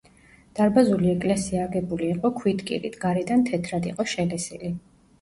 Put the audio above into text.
დარბაზული ეკლესია აგებული იყო ქვითკირით, გარედან თეთრად იყო შელესილი.